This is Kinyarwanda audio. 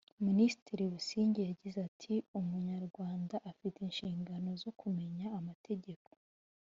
Minisitiri Busingye yagize ati “Umunyarwanda afite inshingano zo kumenya amategeko